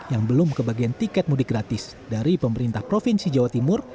yang belum kebagian tiket mudik gratis dari pemerintah provinsi jawa timur